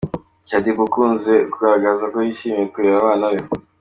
Shaddy Boo akunze kugaragaza ko yishimiye kurera abana be.